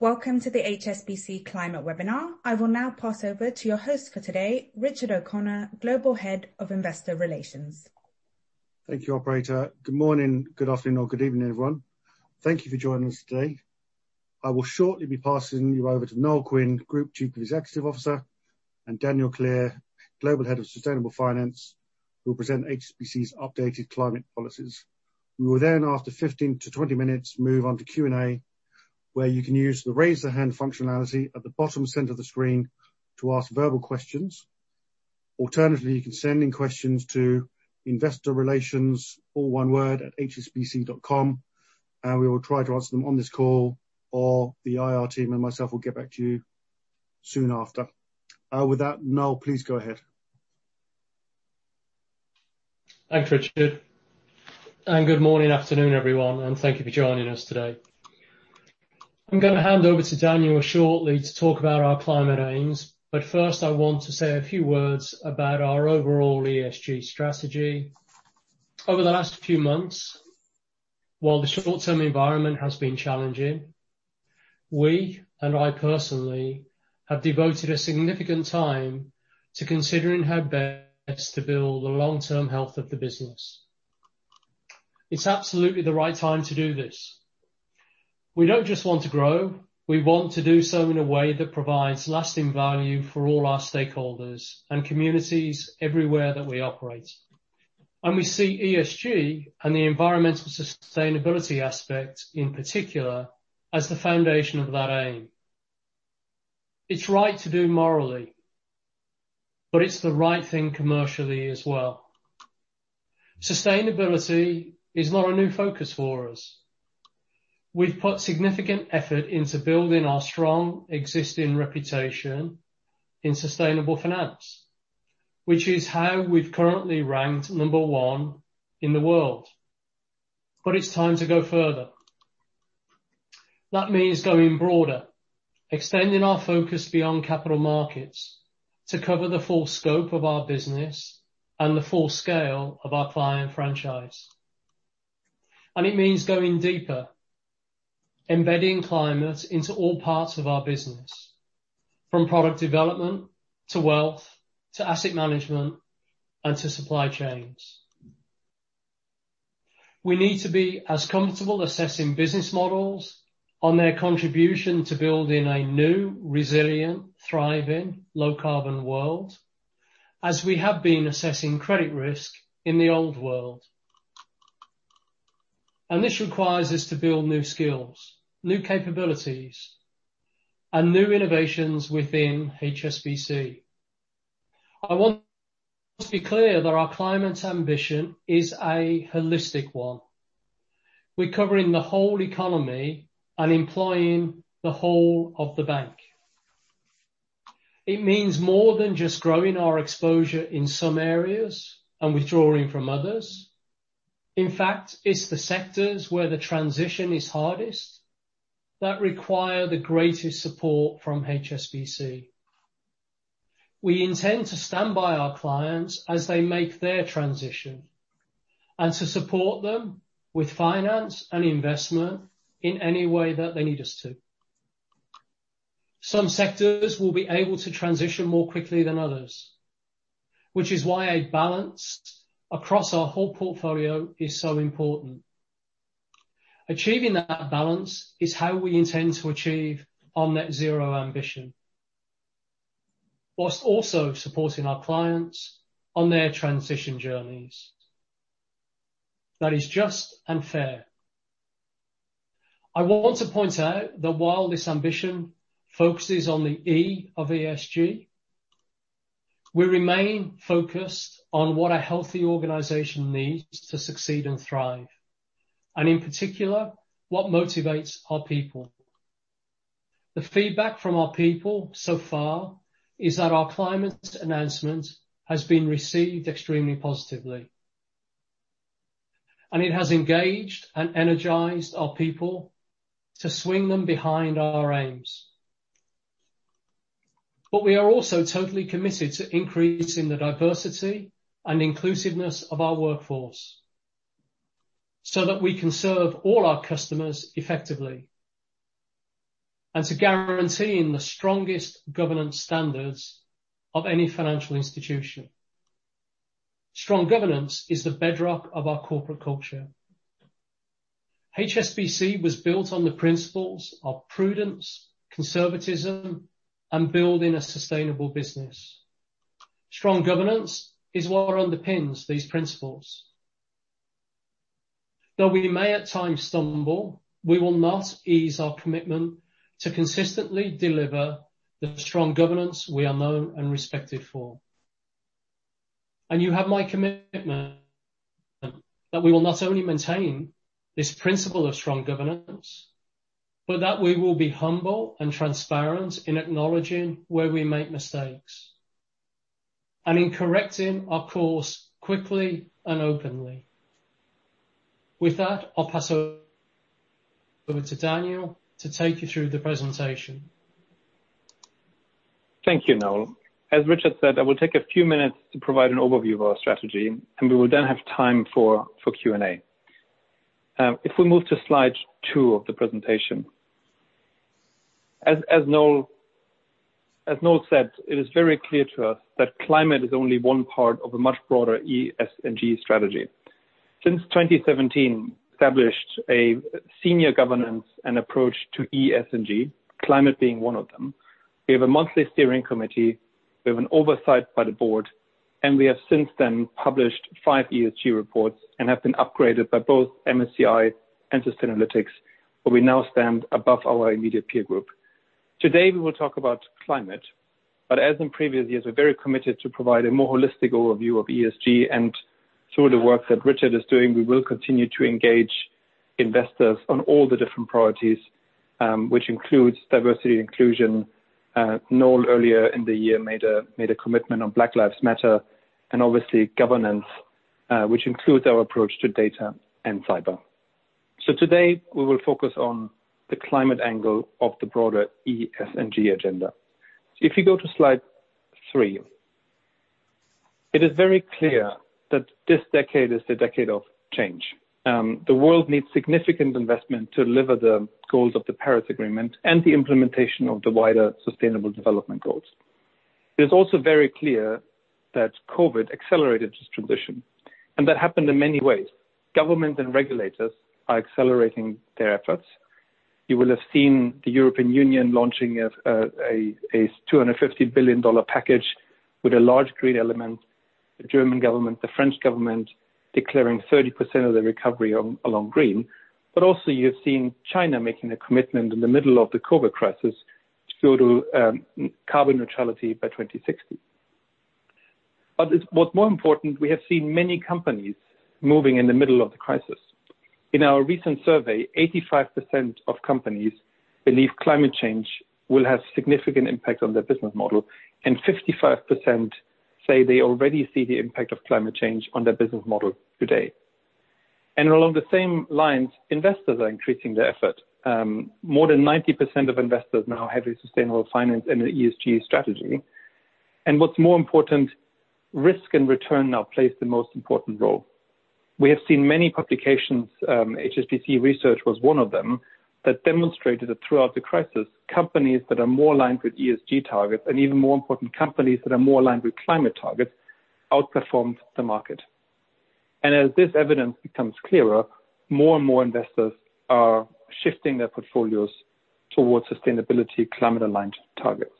Welcome to the HSBC Climate Webinar. I will now pass over to your host for today, Richard O'Connor, Global Head of Investor Relations. Thank you, operator. Good morning, good afternoon, or good evening, everyone. Thank you for joining us today. I will shortly be passing you over to Noel Quinn, Group Chief Executive Officer, and Daniel Klier, Global Head of Sustainable Finance, who will present HSBC's updated climate policies. We will then, after 15 to 20 minutes, move on to Q and A, where you can use the raise-a-hand functionality at the bottom center of the screen to ask verbal questions. Alternatively, you can send in questions to investorrelations@hsbc.com, and we will try to answer them on this call, or the IR team and myself will get back to you soon after. With that, Noel, please go ahead. Thanks, Richard. Good morning, afternoon, everyone, and thank you for joining us today. I'm going to hand over to Daniel shortly to talk about our climate aims. First, I want to say a few words about our overall ESG strategy. Over the last few months, while the short-term environment has been challenging, we, and I personally, have devoted a significant time to considering how best to build the long-term health of the business. It's absolutely the right time to do this. We don't just want to grow. We want to do so in a way that provides lasting value for all our stakeholders and communities everywhere that we operate. We see ESG and the environmental sustainability aspect, in particular, as the foundation of that aim. It's right to do morally, but it's the right thing commercially as well. Sustainability is not a new focus for us. We've put significant effort into building our strong existing reputation in sustainable finance, which is how we've currently ranked number one in the world. It's time to go further. That means going broader, extending our focus beyond capital markets to cover the full scope of our business and the full scale of our client franchise. It means going deeper, embedding climate into all parts of our business, from product development to wealth, to asset management, and to supply chains. We need to be as comfortable assessing business models on their contribution to building a new, resilient, thriving, low-carbon world, as we have been assessing credit risk in the old world. This requires us to build new skills, new capabilities, and new innovations within HSBC. I want us to be clear that our climate ambition is a holistic one. We're covering the whole economy and employing the whole of the bank. It means more than just growing our exposure in some areas and withdrawing from others. In fact, it's the sectors where the transition is hardest that require the greatest support from HSBC. We intend to stand by our clients as they make their transition and to support them with finance and investment in any way that they need us to. Some sectors will be able to transition more quickly than others, which is why a balance across our whole portfolio is so important. Achieving that balance is how we intend to achieve on net zero ambition while also supporting our clients on their transition journeys. That is just and fair. I want to point out that while this ambition focuses on the E of ESG, we remain focused on what a healthy organization needs to succeed and thrive. In particular, what motivates our people. The feedback from our people so far is that our climate announcement has been received extremely positively, and it has engaged and energized our people to swing them behind our aims. We are also totally committed to increasing the diversity and inclusiveness of our workforce so that we can serve all our customers effectively and to guaranteeing the strongest governance standards of any financial institution. Strong governance is the bedrock of our corporate culture. HSBC was built on the principles of prudence, conservatism, and building a sustainable business. Strong governance is what underpins these principles. Though we may at times stumble, we will not ease our commitment to consistently deliver the strong governance we are known and respected for. You have my commitment that we will not only maintain this principle of strong governance, but that we will be humble and transparent in acknowledging where we make mistakes and in correcting our course quickly and openly. With that, I'll pass over to Daniel to take you through the presentation. Thank you, Noel. As Richard said, I will take a few minutes to provide an overview of our strategy, and we will then have time for Q and A. If we move to slide two of the presentation. As Noel said, it is very clear to us that climate is only one part of a much broader ESG strategy. Since 2017, established a senior governance and approach to ESG, climate being one of them. We have a monthly steering committee, we have an oversight by the board, and we have since then published five ESG reports and have been upgraded by both MSCI and Sustainalytics, where we now stand above our immediate peer group. Today, we will talk about climate, but as in previous years, we're very committed to provide a more holistic overview of ESG. Through the work that Richard is doing, we will continue to engage investors on all the different priorities, which includes diversity and inclusion. Noel, earlier in the year, made a commitment on Black Lives Matter, and obviously governance, which includes our approach to data and cyber. Today, we will focus on the climate angle of the broader ESG agenda. If you go to slide three, it is very clear that this decade is the decade of change. The world needs significant investment to deliver the goals of the Paris Agreement and the implementation of the wider sustainable development goals. It is also very clear that COVID accelerated this transition, and that happened in many ways. Governments and regulators are accelerating their efforts. You will have seen the European Union launching a $250 billion package with a large green element, the German government, the French government declaring 30% of their recovery along green. Also you have seen China making a commitment in the middle of the COVID crisis to go to carbon neutrality by 2060. What's more important, we have seen many companies moving in the middle of the crisis. In our recent survey, 85% of companies believe climate change will have significant impact on their business model, and 55% say they already see the impact of climate change on their business model today. And along the same lines, investors are increasing their effort. More than 90% of investors now have a sustainable finance and ESG strategy. What's more important, risk and return now plays the most important role. We have seen many publications, HSBC Research was one of them, that demonstrated that throughout the crisis, companies that are more aligned with ESG targets, and even more important, companies that are more aligned with climate targets, outperformed the market. As this evidence becomes clearer, more and more investors are shifting their portfolios towards sustainability climate aligned targets.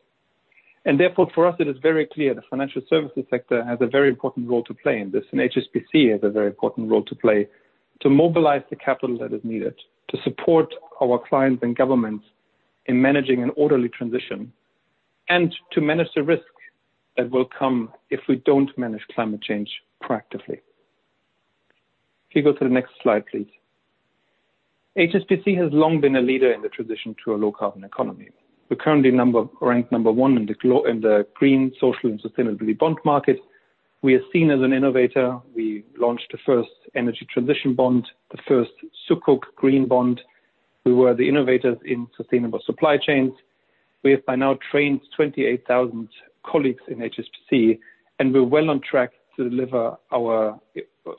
Therefore, for us, it is very clear the financial services sector has a very important role to play in this, and HSBC has a very important role to play to mobilize the capital that is needed to support our clients and governments in managing an orderly transition and to manage the risk that will come if we don't manage climate change proactively. If you go to the next slide, please. HSBC has long been a leader in the transition to a low carbon economy. We're currently ranked number one in the green social and sustainability bond market. We are seen as an innovator. We launched the first energy transition bond, the first Sukuk green bond. We were the innovators in sustainable supply chains. We have by now trained 28,000 colleagues in HSBC, and we're well on track to deliver our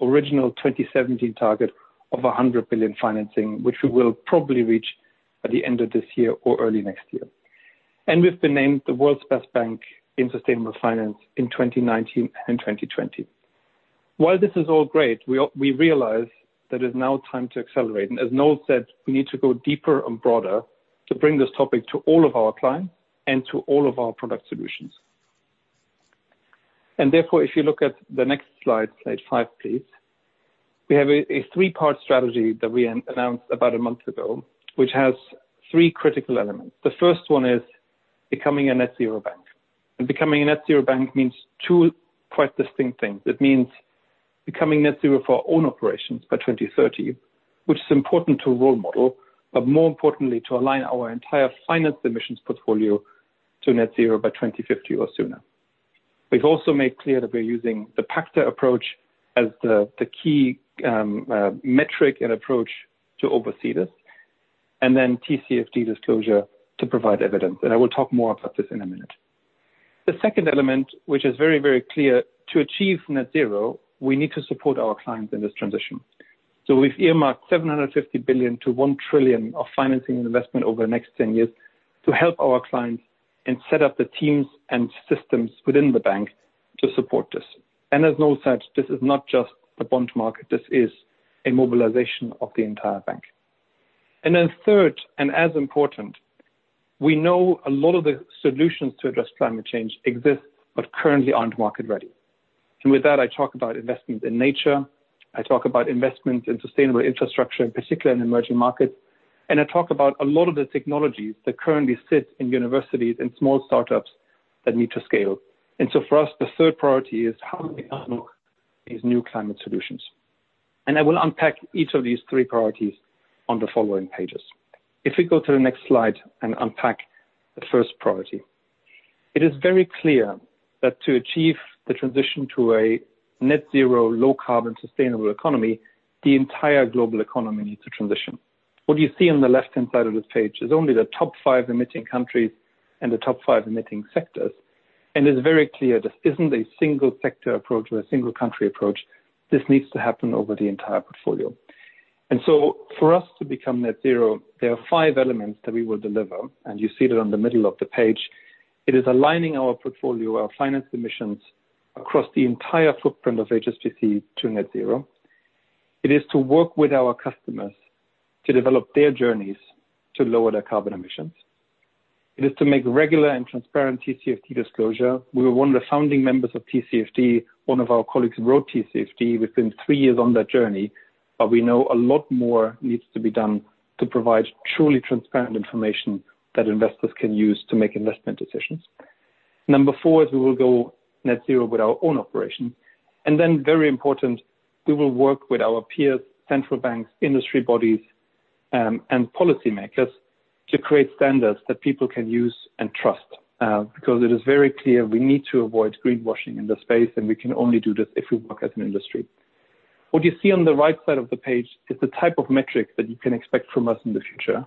original 2017 target of $100 billion financing, which we will probably reach by the end of this year or early next year. We've been named the world's best bank in sustainable finance in 2019 and 2020. While this is all great, we realize that it is now time to accelerate. As Noel said, we need to go deeper and broader to bring this topic to all of our clients and to all of our product solutions. Therefore, if you look at the next slide five, please. We have a three part strategy that we announced about a month ago, which has three critical elements. The first one is becoming a net zero bank. Becoming a net zero bank means two quite distinct things. It means becoming net zero for our own operations by 2030, which is important to role model, but more importantly, to align our entire finance emissions portfolio to net zero by 2050 or sooner. We've also made clear that we're using the PACTA approach as the key metric and approach to oversee this, and then TCFD disclosure to provide evidence. I will talk more about this in a minute. The second element, which is very, very clear, to achieve net zero, we need to support our clients in this transition. We've earmarked $750 billion-$1 trillion of financing and investment over the next 10 years to help our clients and set up the teams and systems within the bank to support this. As Noel said, this is not just a bond market, this is a mobilization of the entire bank. Then third, and as important, we know a lot of the solutions to address climate change exist but currently aren't market ready. With that, I talk about investment in nature, I talk about investment in sustainable infrastructure, particularly in emerging markets. I talk about a lot of the technologies that currently sit in universities and small startups that need to scale. For us, the third priority is how do we unlock these new climate solutions? I will unpack each of these three priorities on the following pages. If we go to the next slide and unpack the first priority. It is very clear that to achieve the transition to a net zero low carbon sustainable economy, the entire global economy needs to transition. What you see on the left-hand side of this page is only the top five emitting countries and the top five emitting sectors, and it's very clear this isn't a single sector approach or a single country approach. This needs to happen over the entire portfolio. For us to become net zero, there are five elements that we will deliver, and you see that on the middle of the page. It is aligning our portfolio, our finance emissions, across the entire footprint of HSBC to net zero. It is to work with our customers to develop their journeys to lower their carbon emissions. It is to make regular and transparent TCFD disclosure. We were one of the founding members of TCFD. One of our colleagues wrote TCFD within three years on that journey, but we know a lot more needs to be done to provide truly transparent information that investors can use to make investment decisions. Number four is we will go net zero with our own operation. Then very important, we will work with our peers, central banks, industry bodies, and policymakers to create standards that people can use and trust, because it is very clear we need to avoid greenwashing in this space, and we can only do this if we work as an industry. What you see on the right side of the page is the type of metric that you can expect from us in the future,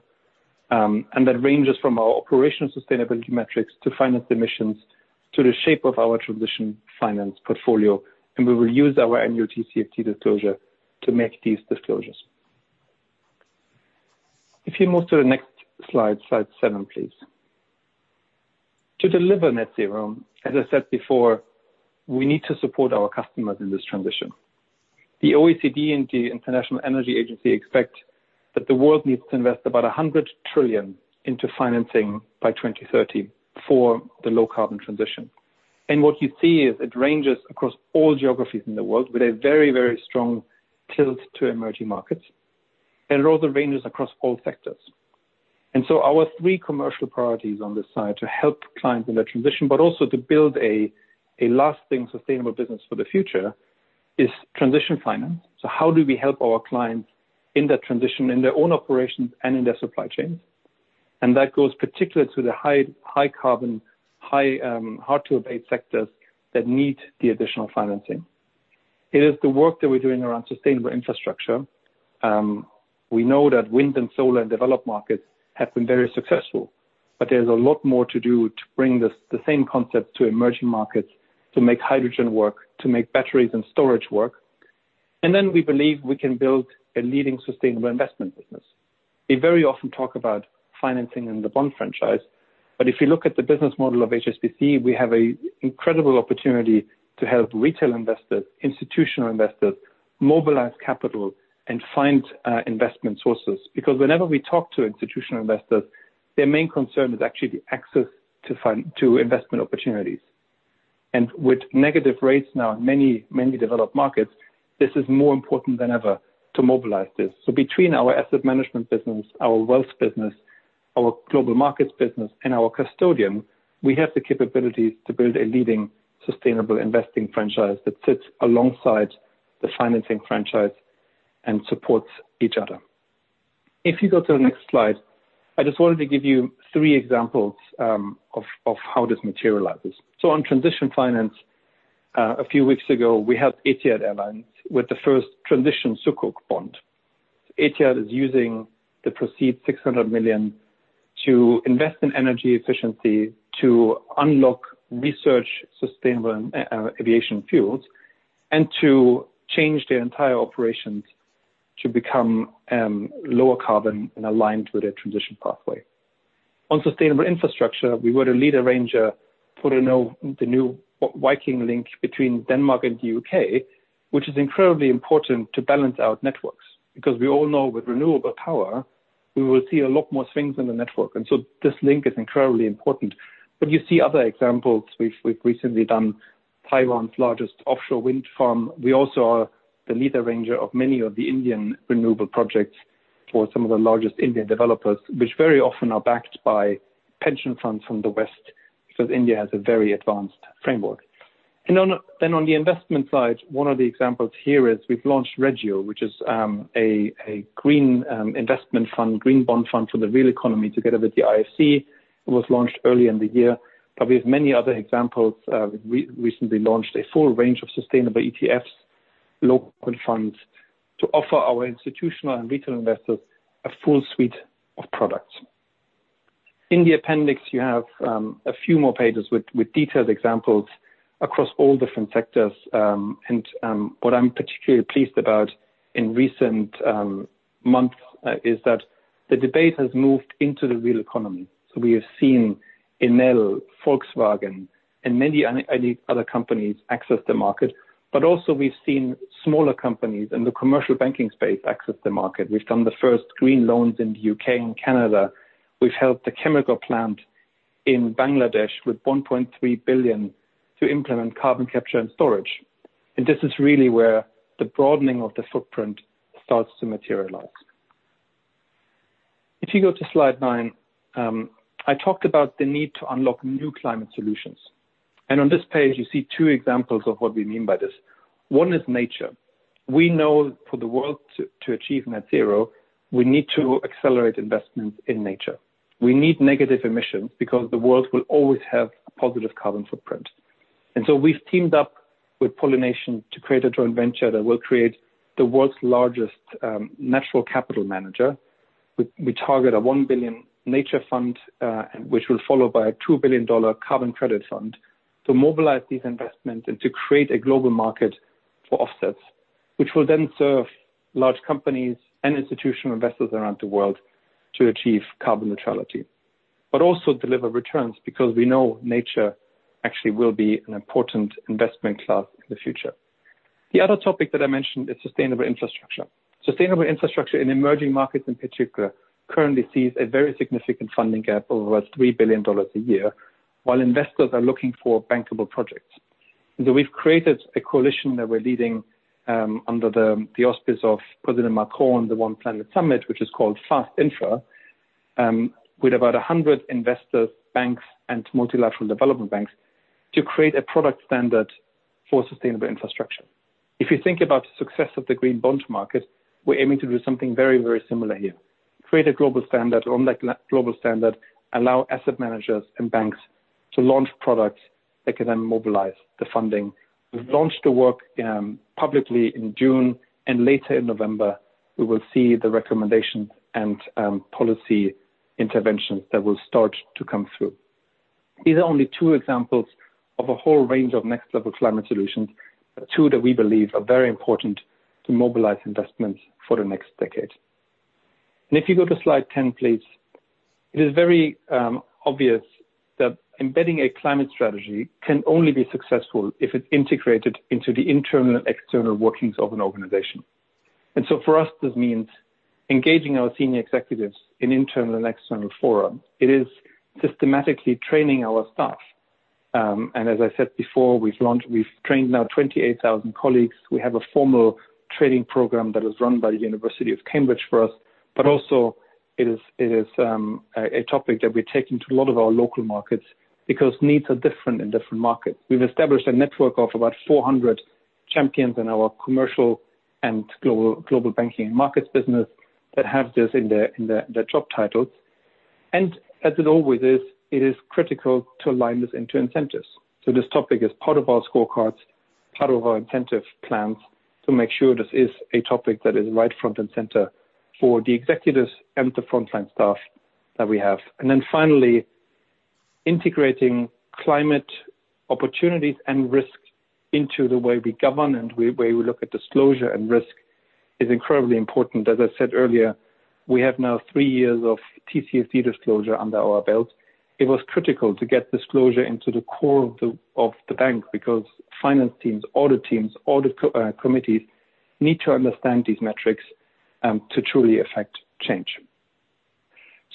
and that ranges from our operational sustainability metrics to finance emissions to the shape of our transition finance portfolio, and we will use our annual TCFD disclosure to make these disclosures. If you move to the next slide seven, please. To deliver net zero, as I said before, we need to support our customers in this transition. The OECD and the International Energy Agency expect that the world needs to invest about $100 trillion into financing by 2030 for the low-carbon transition. What you see is it ranges across all geographies in the world with a very, very strong tilt to emerging markets, and it also ranges across all sectors. Our three commercial priorities on this side to help clients in their transition, but also to build a lasting sustainable business for the future, is transition finance. How do we help our clients in that transition in their own operations and in their supply chains? That goes particularly to the high carbon, hard-to-abate sectors that need the additional financing. It is the work that we're doing around sustainable infrastructure. We know that wind and solar in developed markets have been very successful, but there's a lot more to do to bring the same concept to emerging markets to make hydrogen work, to make batteries and storage work. We believe we can build a leading sustainable investment business. We very often talk about financing in the bond franchise, but if you look at the business model of HSBC, we have an incredible opportunity to help retail investors, institutional investors, mobilize capital and find investment sources. Whenever we talk to institutional investors, their main concern is actually the access to investment opportunities. With negative rates now in many developed markets, this is more important than ever to mobilize this. Between our asset management business, our wealth business, our global markets business, and our custodian, we have the capabilities to build a leading sustainable investing franchise that sits alongside the financing franchise and supports each other. If you go to the next slide, I just wanted to give you three examples of how this materializes. On transition finance, a few weeks ago, we helped Etihad Airlines with the first transition Sukuk bond. Etihad is using the proceeds $600 million to invest in energy efficiency to unlock research sustainable aviation fuels, to change their entire operations to become lower carbon and aligned with their transition pathway. On sustainable infrastructure, we were the lead arranger for the new Viking Link between Denmark and the U.K., which is incredibly important to balance our networks. We all know with renewable power, we will see a lot more swings in the network. This link is incredibly important. You see other examples. We've recently done Taiwan's largest offshore wind farm. We also are the lead arranger of many of the Indian renewable projects for some of the largest Indian developers, which very often are backed by pension funds from the West, because India has a very advanced framework. On the investment side, one of the examples here is we've launched REGIO, which is a green investment fund, green bond fund for the real economy together with the IFC. It was launched earlier in the year. We have many other examples. We recently launched a full range of sustainable ETFs, local funds to offer our institutional and retail investors a full suite of products. In the appendix, you have a few more pages with detailed examples across all different sectors. What I'm particularly pleased about in recent months is that the debate has moved into the real economy. We have seen Enel, Volkswagen, and many other companies access the market, but also we've seen smaller companies in the commercial banking space access the market. We've done the first green loans in the U.K. and Canada. We've helped a chemical plant in Bangladesh with $1.3 billion to implement carbon capture and storage. This is really where the broadening of the footprint starts to materialize. If you go to slide nine, I talked about the need to unlock new climate solutions. On this page, you see two examples of what we mean by this. One is nature. We know for the world to achieve net zero, we need to accelerate investments in nature. We need negative emissions because the world will always have a positive carbon footprint. We've teamed up with Pollination to create a joint venture that will create the world's largest natural capital manager. We target a $1 billion nature fund, which will follow by a $2 billion carbon credit fund to mobilize these investments and to create a global market for offsets, which will then serve large companies and institutional investors around the world to achieve carbon neutrality. Also deliver returns, because we know nature actually will be an important investment class in the future. The other topic that I mentioned is sustainable infrastructure. Sustainable infrastructure in emerging markets in particular, currently sees a very significant funding gap of over $3 billion a year, while investors are looking for bankable projects. So we've created a coalition that we're leading under the auspice of President Macron, the One Planet Summit, which is called FAST-Infra, with about 100 investors, banks, and multilateral development banks, to create a product standard for sustainable infrastructure. If you think about the success of the green bond market, we're aiming to do something very, very similar here. Create a global standard, allow asset managers and banks to launch products that can then mobilize the funding. We've launched the work publicly in June, and later in November, we will see the recommendation and policy interventions that will start to come through. These are only two examples of a whole range of next level climate solutions, two that we believe are very important to mobilize investments for the next decade. If you go to slide 10, please. It is very obvious that embedding a climate strategy can only be successful if it's integrated into the internal and external workings of an organization. For us, this means engaging our senior executives in internal and external forums. It is systematically training our staff. As I said before, we've trained now 28,000 colleagues. We have a formal training program that is run by the University of Cambridge for us. Also, it is a topic that we take into a lot of our local markets because needs are different in different markets. We've established a network of about 400 champions in our commercial and global banking and markets business that have this in their job titles. As it always is, it is critical to align this into incentives. This topic is part of our scorecards, part of our incentive plans, to make sure this is a topic that is right front and center for the executives and the frontline staff that we have. Finally, integrating climate opportunities and risks into the way we govern and way we look at disclosure and risk is incredibly important. As I said earlier, we have now three years of TCFD disclosure under our belt. It was critical to get disclosure into the core of the bank because finance teams, audit teams, audit committees need to understand these metrics to truly affect change.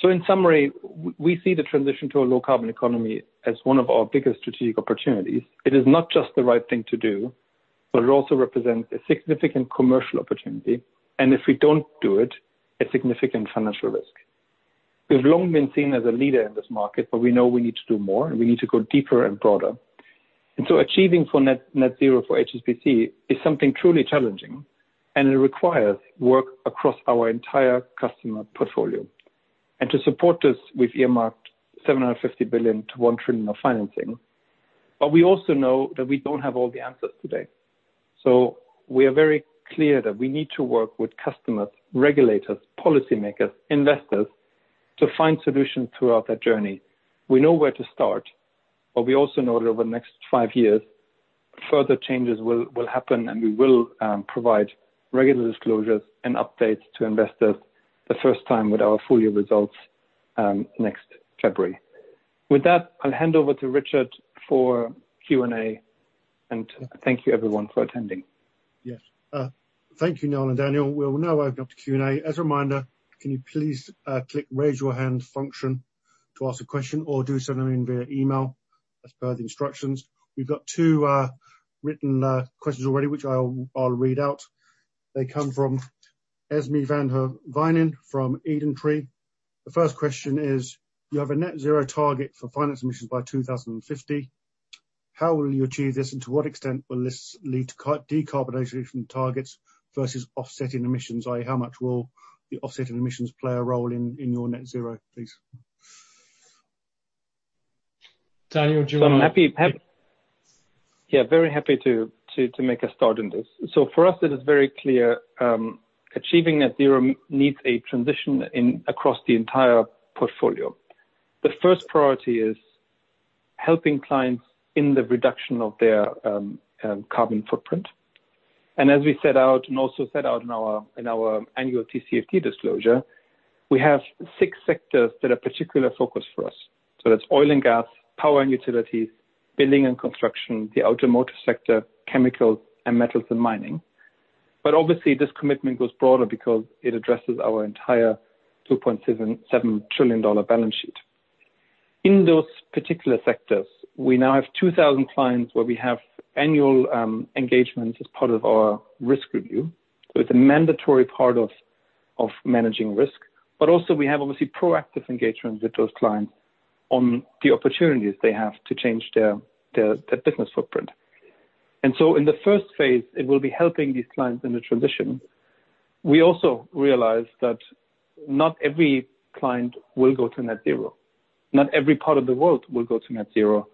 In summary, we see the transition to a low-carbon economy as one of our biggest strategic opportunities. It is not just the right thing to do, but it also represents a significant commercial opportunity. If we don't do it, a significant financial risk. We've long been seen as a leader in this market, but we know we need to do more, and we need to go deeper and broader. Achieving for net zero for HSBC is something truly challenging, and it requires work across our entire customer portfolio. To support this, we've earmarked $750 billion-$1 trillion of financing. We also know that we don't have all the answers today. We are very clear that we need to work with customers, regulators, policymakers, investors, to find solutions throughout that journey. We know where to start, we also know that over the next five years, further changes will happen and we will provide regular disclosures and updates to investors the first time with our full year results, next February. With that, I'll hand over to Richard for Q and A. Thank you everyone for attending. Yes. Thank you, Noel and Daniel. We will now open up to Q and A. As a reminder, can you please click raise your hand function to ask a question or do send them in via email as per the instructions. We've got two written questions already, which I'll read out. They come from Esmé van Herwijnen from EdenTree. The first question is, you have a net zero target for finance emissions by 2050. How will you achieve this, and to what extent will this lead to decarbonization targets versus offsetting emissions, i.e. how much will the offsetting emissions play a role in your net zero, please? Daniel. Very happy to make a start in this. For us, it is very clear, achieving net zero needs a transition across the entire portfolio. The first priority is helping clients in the reduction of their carbon footprint. As we set out, and also set out in our annual TCFD disclosure, we have six sectors that are particular focus for us. That's oil and gas, power and utilities, building and construction, the automotive sector, chemicals, and metals and mining. Obviously this commitment goes broader because it addresses our entire $2.77 trillion balance sheet. In those particular sectors, we now have 2,000 clients where we have annual engagement as part of our risk review. It's a mandatory part of managing risk. Also we have, obviously, proactive engagement with those clients on the opportunities they have to change their business footprint. In the first phase, it will be helping these clients in the transition. We also realize that not every client will go to net zero, not every part of the world will go to net zero,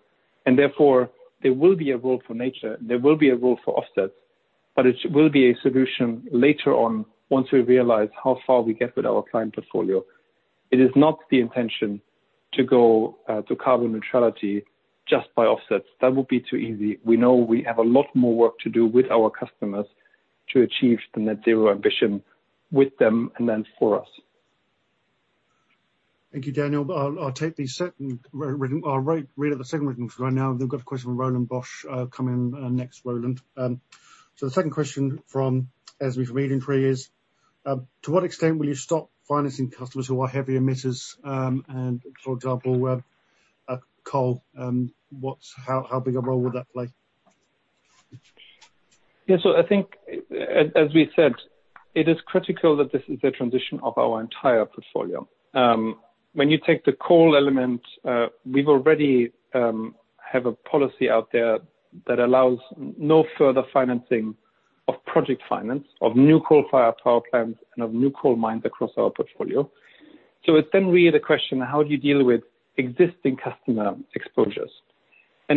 and therefore, there will be a role for nature, and there will be a role for offsets, but it will be a solution later on once we realize how far we get with our client portfolio. It is not the intention to go to carbon neutrality just by offsets. That would be too easy. We know we have a lot more work to do with our customers to achieve the net zero ambition with them, and then for us. Thank you, Daniel. I'll read out the second written for now. We've got a question from Ronald Bosch coming next, Roland. The second question from Esmé from EdenTree is, to what extent will you stop financing customers who are heavy emitters, and for example, coal? How big a role will that play? I think, as we said, it is critical that this is a transition of our entire portfolio. When you take the coal element, we already have a policy out there that allows no further financing of project finance of new coal-fire power plants and of new coal mines across our portfolio. It is then really the question, how do you deal with existing customer exposures?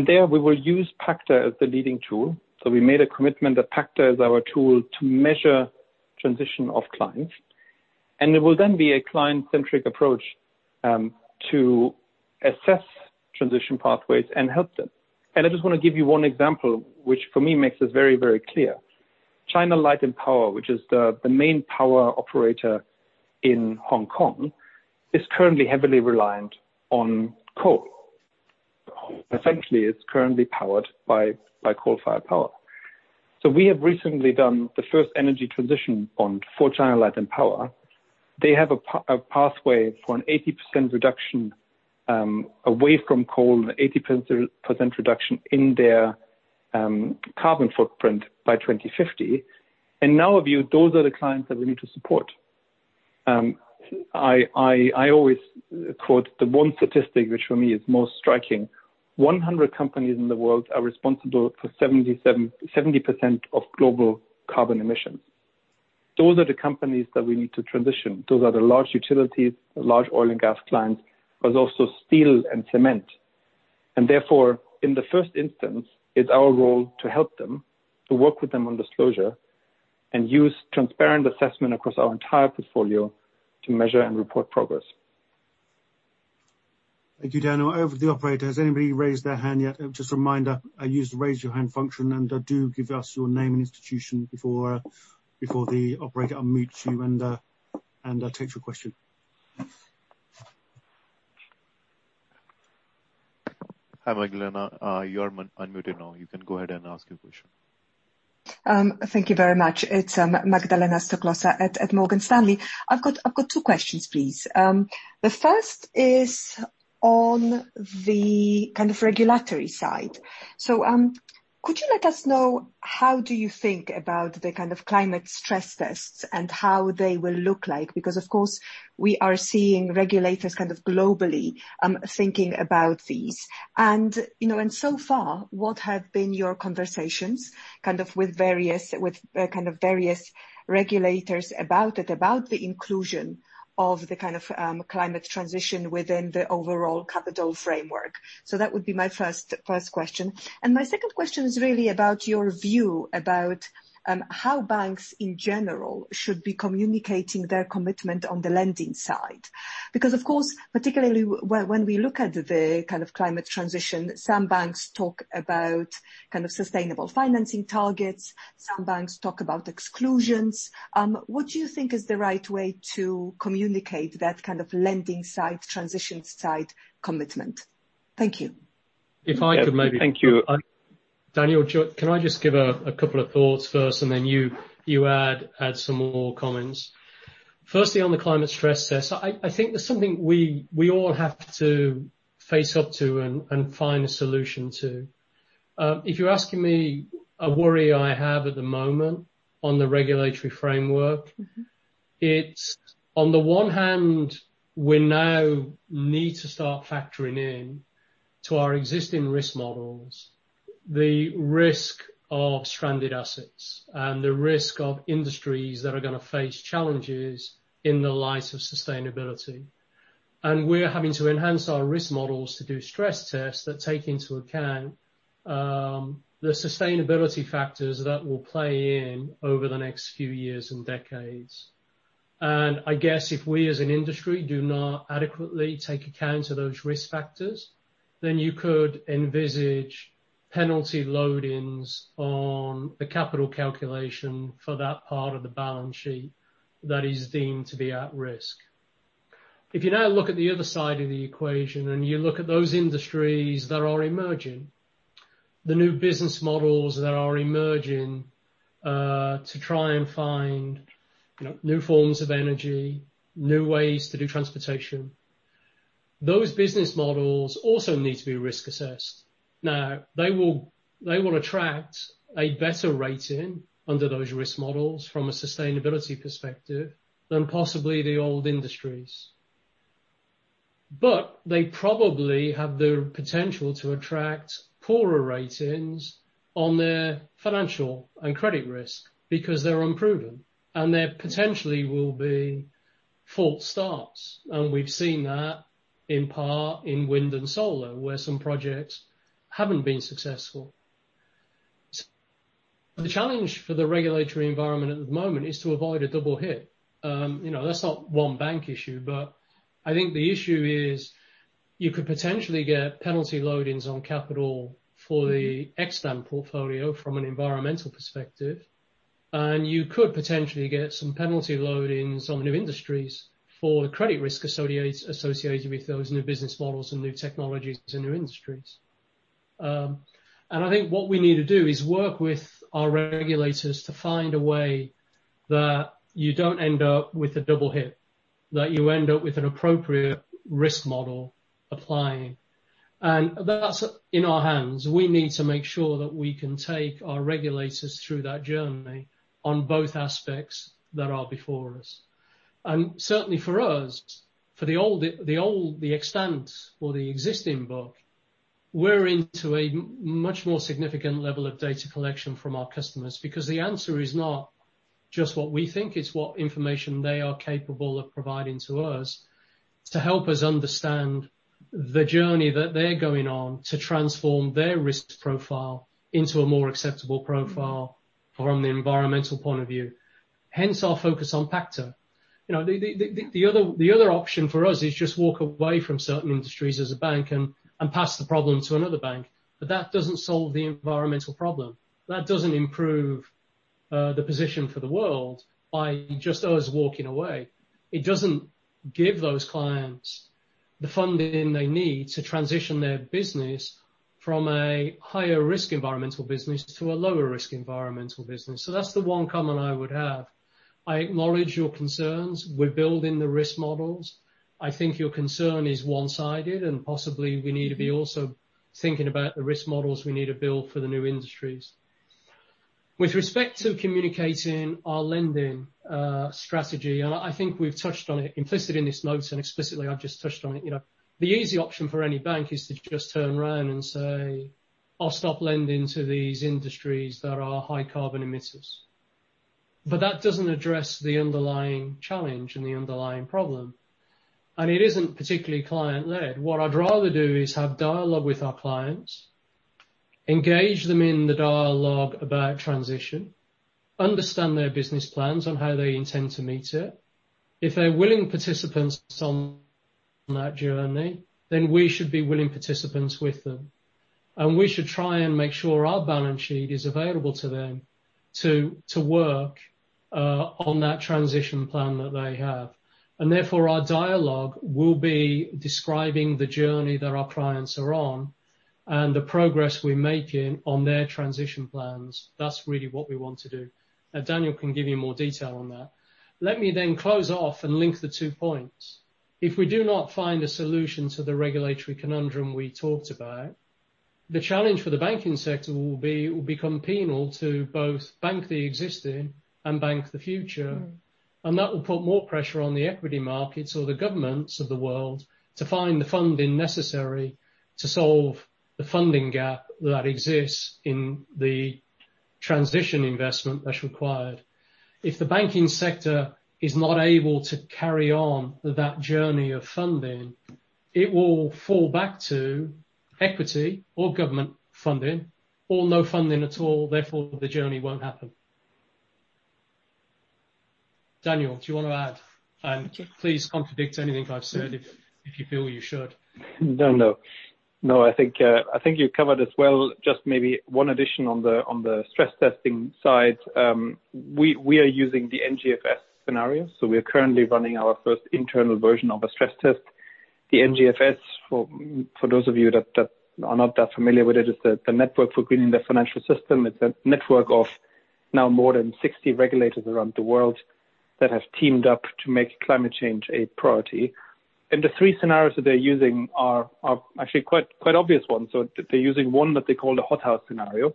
There we will use PACTA as the leading tool. We made a commitment that PACTA is our tool to measure transition of clients, and it will then be a client-centric approach to assess transition pathways and help them. I just want to give you one example, which for me makes this very clear. China Light and Power, which is the main power operator in Hong Kong, is currently heavily reliant on coal. Essentially, it's currently powered by coal-fired power. We have recently done the first energy transition bond for China Light and Power. They have a pathway for an 80% reduction away from coal, an 80% reduction in their carbon footprint by 2050. In our view, those are the clients that we need to support. I always quote the one statistic, which for me is most striking. 100 companies in the world are responsible for 70% of global carbon emissions. Those are the companies that we need to transition. Those are the large utilities, the large oil and gas clients, but also steel and cement. Therefore, in the first instance, it's our role to help them, to work with them on disclosure, and use transparent assessment across our entire portfolio to measure and report progress. Thank you, Daniel. Over to the operator. Has anybody raised their hand yet? Just a reminder, use the raise your hand function, and do give us your name and institution before the operator unmutes you and takes your question. Hi, Magdalena. You are unmuted now. You can go ahead and ask your question. Thank you very much. It's Magdalena Stoklosa at Morgan Stanley. I've got two questions, please. The first is on the regulatory side. Could you let us know how do you think about the climate stress tests and how they will look like? Of course, we are seeing regulators globally thinking about these. So far, what have been your conversations with various regulators about it, about the inclusion of the climate transition within the overall capital framework? That would be my first question. My second question is really about your view about how banks in general should be communicating their commitment on the lending side. Of course, particularly when we look at the climate transition, some banks talk about sustainable financing targets, some banks talk about exclusions. What do you think is the right way to communicate that lending side, transition side commitment? Thank you. If I could maybe- Thank you. Daniel, can I just give a couple of thoughts first, and then you add some more comments. On the climate stress test, I think that's something we all have to face up to and find a solution to. If you're asking me a worry I have at the moment on the regulatory framework, it's on the one hand, we now need to start factoring in to our existing risk models, the risk of stranded assets and the risk of industries that are going to face challenges in the light of sustainability. We're having to enhance our risk models to do stress tests that take into account the sustainability factors that will play in over the next few years and decades. I guess if we as an industry do not adequately take account of those risk factors, then you could envisage penalty load-ins on the capital calculation for that part of the balance sheet that is deemed to be at risk. If you now look at the other side of the equation and you look at those industries that are emerging, the new business models that are emerging, to try and find new forms of energy, new ways to do transportation, those business models also need to be risk assessed. Now, they will attract a better rating under those risk models from a sustainability perspective than possibly the old industries. They probably have the potential to attract poorer ratings on their financial and credit risk because they're unproven, and there potentially will be false starts. We've seen that in part in wind and solar, where some projects haven't been successful. The challenge for the regulatory environment at the moment is to avoid a double hit. That's not one bank issue, but I think the issue is you could potentially get penalty loadings on capital for the extant portfolio from an environmental perspective, and you could potentially get some penalty loading on some new industries for the credit risk associated with those new business models and new technologies and new industries. I think what we need to do is work with our regulators to find a way that you don't end up with a double hit, that you end up with an appropriate risk model applying. That's in our hands. We need to make sure that we can take our regulators through that journey on both aspects that are before us. Certainly for us, for the old, the extant or the existing book, we're into a much more significant level of data collection from our customers, because the answer is not just what we think, it's what information they are capable of providing to us to help us understand the journey that they're going on to transform their risk profile into a more acceptable profile from the environmental point of view. Hence our focus on PACTA. The other option for us is just walk away from certain industries as a bank and pass the problem to another bank. That doesn't solve the environmental problem. That doesn't improve the position for the world by just us walking away. It doesn't give those clients the funding they need to transition their business from a higher risk environmental business to a lower risk environmental business. That's the one comment I would have. I acknowledge your concerns. We're building the risk models. I think your concern is one-sided, and possibly we need to be also thinking about the risk models we need to build for the new industries. With respect to communicating our lending strategy, and I think we've touched on it implicit in this note and explicitly I've just touched on it. The easy option for any bank is to just turn around and say, "I'll stop lending to these industries that are high carbon emitters." That doesn't address the underlying challenge and the underlying problem. It isn't particularly client-led. What I'd rather do is have dialogue with our clients, engage them in the dialogue about transition, understand their business plans on how they intend to meet it. If they're willing participants on that journey, then we should be willing participants with them. We should try and make sure our balance sheet is available to them to work on that transition plan that they have. Therefore, our dialogue will be describing the journey that our clients are on and the progress we're making on their transition plans. That's really what we want to do. Daniel can give you more detail on that. Let me then close off and link the two points. If we do not find a solution to the regulatory conundrum we talked about, the challenge for the banking sector will be it will become penal to both bank the existing and bank the future. That will put more pressure on the equity markets or the governments of the world to find the funding necessary to solve the funding gap that exists in the transition investment that's required. If the banking sector is not able to carry on that journey of funding, it will fall back to equity or government funding or no funding at all. Therefore, the journey won't happen. Daniel, do you want to add? Okay. Please contradict anything I've said if you feel you should. No. I think you covered it well. Just maybe one addition on the stress testing side. We are using the NGFS scenario, we are currently running our first internal version of a stress test. The NGFS, for those of you that are not that familiar with it, is the Network for Greening the Financial System. It's a network of now more than 60 regulators around the world that have teamed up to make climate change a priority. The three scenarios that they're using are actually quite obvious ones. They're using one that they call the hothouse scenario.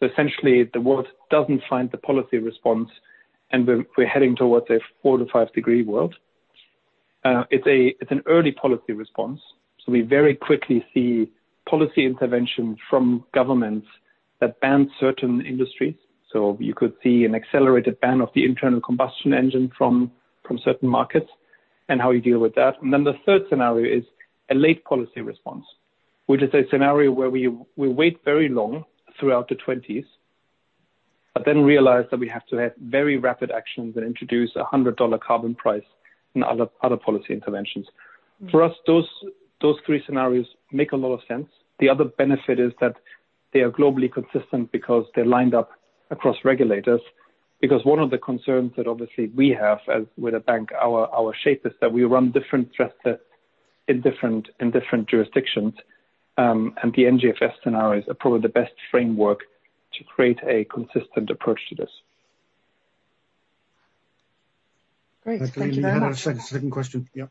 Essentially, the world doesn't find the policy response, and we're heading towards a four to five degree world. It's an early policy response. We very quickly see policy intervention from governments that ban certain industries. You could see an accelerated ban of the internal combustion engine from certain markets and how you deal with that. The third scenario is a late policy response, which is a scenario where we wait very long throughout the 20s, but then realize that we have to have very rapid actions and introduce $100 carbon price and other policy interventions. For us, those three scenarios make a lot of sense. The other benefit is that they are globally consistent because they're lined up across regulators. One of the concerns that obviously we have as with a bank, our shape, is that we run different stress tests in different jurisdictions. The NGFS scenarios are probably the best framework to create a consistent approach to this. Great. Thank you very much. Elaine, you had a second question. Yep.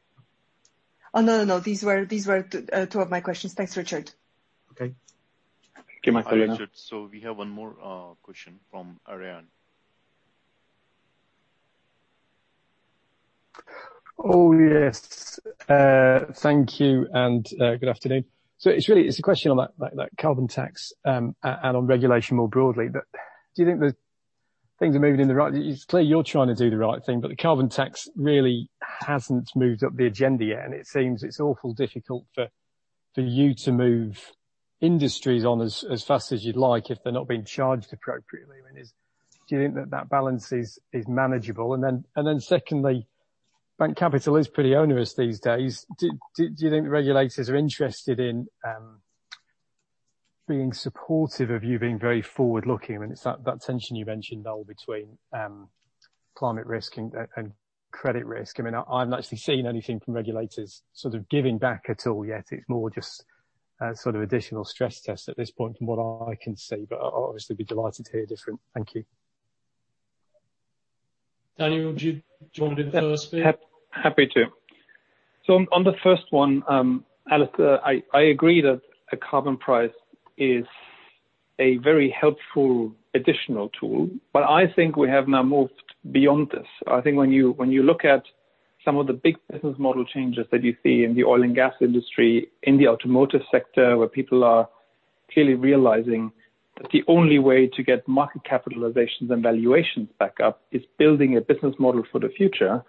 Oh, no. These were two of my questions. Thanks, Richard. Okay. Okay, my pleasure. Hi, Richard. We have one more question from Arian. Oh, yes. Thank you. Good afternoon. It's really, it's a question on that carbon tax. On regulation more broadly. Do you think the things are moving in the right? It's clear you're trying to do the right thing. The carbon tax really hasn't moved up the agenda yet. It seems it's awful difficult for you to move industries on as fast as you'd like if they're not being charged appropriately. Do you think that that balance is manageable? Secondly, bank capital is pretty onerous these days. Do you think regulators are interested in being supportive of you being very forward-looking? I mean, it's that tension you mentioned, Noel, between climate risk and credit risk. I mean, I haven't actually seen anything from regulators sort of giving back at all yet. It's more just a sort of additional stress test at this point from what I can see, but I'll obviously be delighted to hear different. Thank you. Daniel, do you want to do the first bit? Happy to. On the first one, Alistair, I agree that a carbon price is a very helpful additional tool, but I think we have now moved beyond this. I think when you look at some of the big business model changes that you see in the oil and gas industry, in the automotive sector, where people are clearly realizing that the only way to get market capitalizations and valuations back up is building a business model for the future.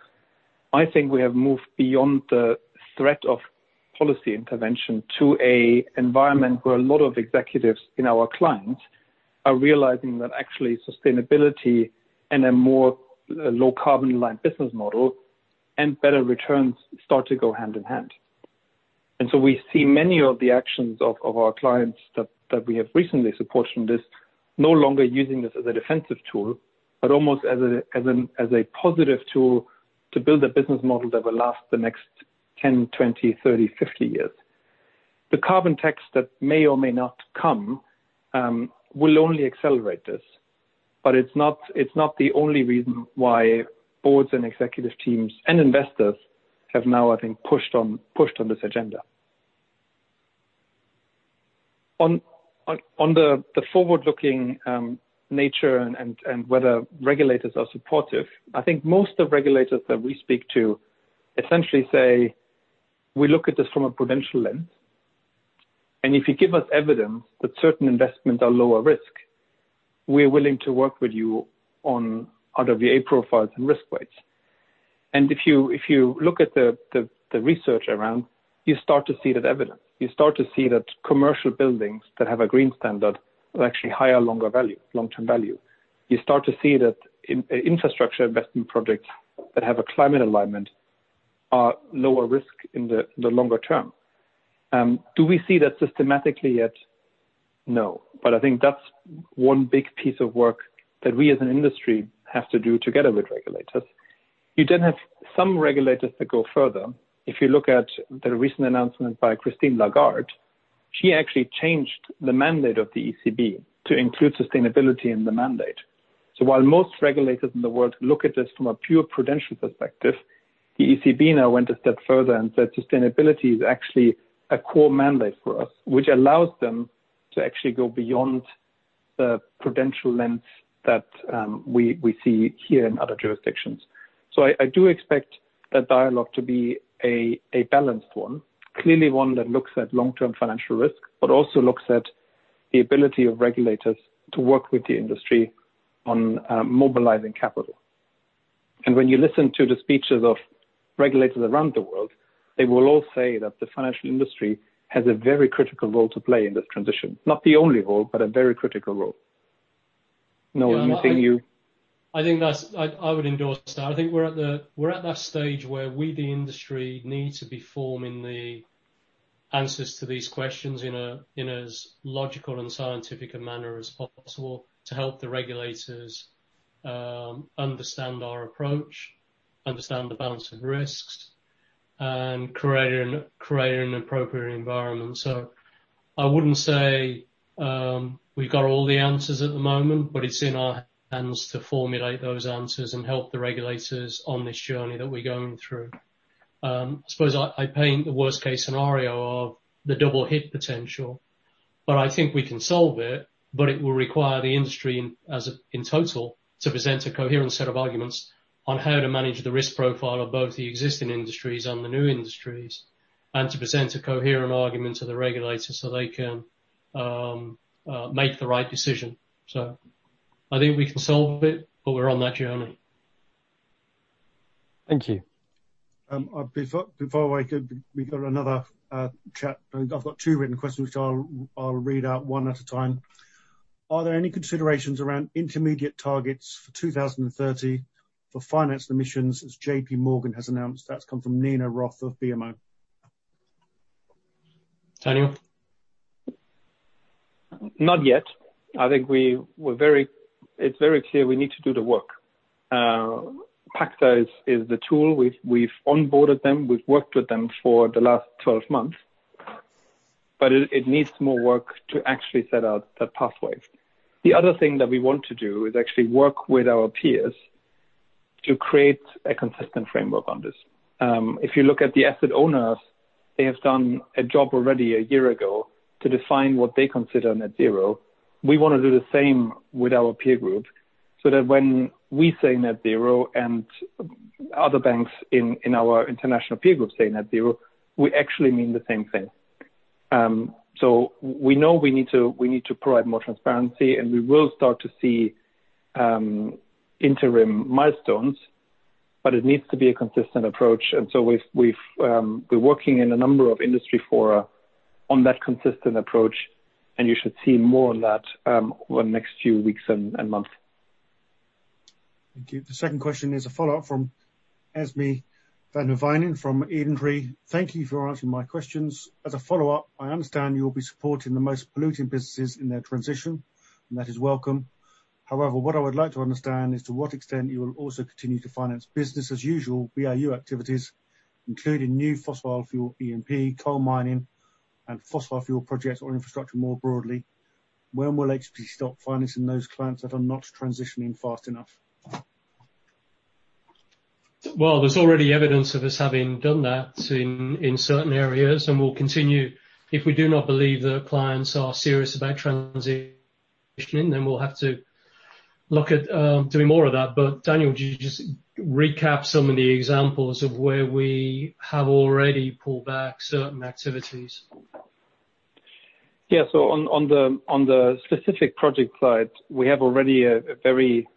I think we have moved beyond the threat of policy intervention to a environment where a lot of executives and our clients are realizing that actually sustainability and a more low-carbon line business model and better returns start to go hand in hand. We see many of the actions of our clients that we have recently supported on this, no longer using this as a defensive tool, but almost as a positive tool to build a business model that will last the next 10, 20, 30, 50 years. The carbon tax that may or may not come, will only accelerate this. It's not the only reason why boards and executive teams and investors have now, I think, pushed on this agenda. On the forward-looking nature and whether regulators are supportive, I think most of regulators that we speak to essentially say, "We look at this from a prudential lens, and if you give us evidence that certain investments are lower risk, we're willing to work with you on RWA profiles and risk weights." If you look at the research around, you start to see that evidence. You start to see that commercial buildings that have a green standard are actually higher longer value, long-term value. You start to see that infrastructure investment projects that have a climate alignment are lower risk in the longer term. Do we see that systematically yet? No. I think that's one big piece of work that we as an industry have to do together with regulators. You have some regulators that go further. If you look at the recent announcement by Christine Lagarde, she actually changed the mandate of the ECB to include sustainability in the mandate. While most regulators in the world look at this from a pure prudential perspective, the ECB now went a step further and said, "Sustainability is actually a core mandate for us," which allows them to actually go beyond the prudential lens that we see here in other jurisdictions. I do expect that dialogue to be a balanced one, clearly one that looks at long-term financial risk, but also looks at the ability of regulators to work with the industry on mobilizing capital. When you listen to the speeches of regulators around the world, they will all say that the financial industry has a very critical role to play in this transition. Not the only role, but a very critical role. Noel, anything? I think that's, I would endorse that. I think we're at that stage where we, the industry, need to be forming the answers to these questions in as logical and scientific a manner as possible to help the regulators understand our approach, understand the balance of risks, and create an appropriate environment. I wouldn't say we've got all the answers at the moment, but it's in our hands to formulate those answers and help the regulators on this journey that we're going through. I suppose I paint the worst-case scenario of the double hit potential, but I think we can solve it, but it will require the industry in total to present a coherent set of arguments on how to manage the risk profile of both the existing industries and the new industries, and to present a coherent argument to the regulators so they can make the right decision. I think we can solve it, but we're on that journey. Thank you. Before I do, we've got another chat. I've got two written questions, which I'll read out one at a time. Are there any considerations around intermediate targets for 2030 for financed emissions, as JPMorgan has announced? That's come from Nina Roth of BMO. Daniel? Not yet. I think it's very clear we need to do the work. PACTA is the tool. We've onboarded them. We've worked with them for the last 12 months. It needs more work to actually set out that pathway. The other thing that we want to do is actually work with our peers to create a consistent framework on this. If you look at the asset owners. They have done a job already a year ago to define what they consider net zero. We want to do the same with our peer group so that when we say net zero and other banks in our international peer group say net zero, we actually mean the same thing. We know we need to provide more transparency and we will start to see interim milestones, but it needs to be a consistent approach. We're working in a number of industry for a, on that consistent approach. You should see more on that over the next few weeks and months. Thank you. The second question is a follow-up from Esmé van Herwijnen from EdenTree. Thank you for answering my questions. As a follow-up, I understand you will be supporting the most polluting businesses in their transition, and that is welcome. What I would like to understand is to what extent you will also continue to finance business as usual, BAU activities, including new fossil fuel E&P, coal mining, and fossil fuel projects or infrastructure more broadly. When will HSBC stop financing those clients that are not transitioning fast enough? Well, there's already evidence of us having done that in certain areas, and we'll continue. If we do not believe that clients are serious about transitioning, then we'll have to look at doing more of that. Daniel, could you just recap some of the examples of where we have already pulled back certain activities? Yeah. On the specific project side, we have already a very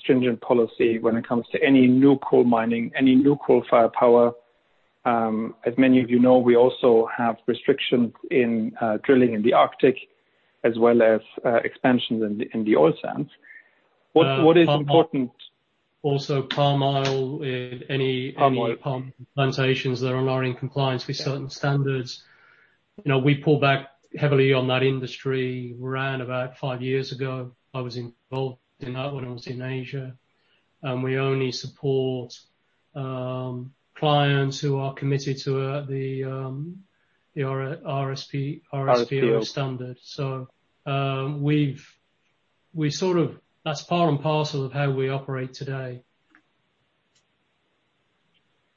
stringent policy when it comes to any new coal mining, any new coal-fire power. As many of you know, we also have restrictions in drilling in the Arctic, as well as expansions in the oil sands. palm oil- Palm oil any palm plantations that are not in compliance with certain standards. We pulled back heavily on that industry around about five years ago. I was involved in that when I was in Asia. We only support clients who are committed to the RSPO standard. That's part and parcel of how we operate today.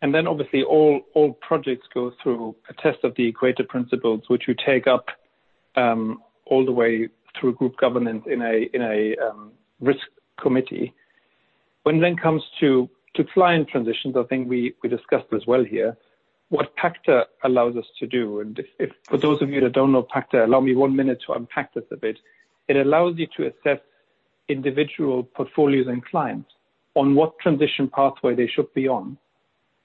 Obviously all projects go through a test of the Equator Principles, which we take up all the way through group governance in a risk committee. When it comes to client transitions, I think we discussed as well here, what PACTA allows us to do, and for those of you that don't know PACTA, allow me one minute to unpack this a bit. It allows you to assess individual portfolios and clients on what transition pathway they should be on,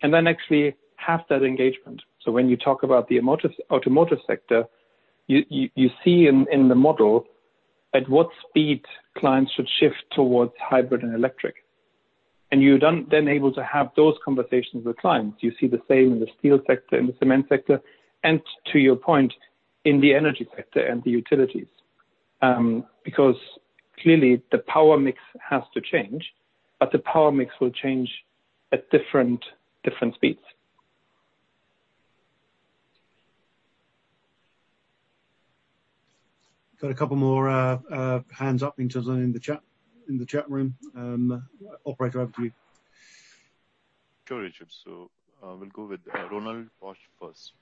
and then actually have that engagement. When you talk about the automotive sector, you see in the model at what speed clients should shift towards hybrid and electric. You're then able to have those conversations with clients. You see the same in the steel sector and the cement sector, and to your point, in the energy sector and the utilities. Clearly the power mix has to change, but the power mix will change at different speeds. Got a couple more hands up in the chat room. Operator, over to you. Sure, Richard. We'll go with Ronald Bosch first.